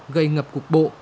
gây ngập cục bộ